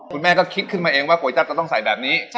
คุณแม่ก็คิดขึ้นมาเองว่าก๋วยจับจะต้องใส่แบบนี้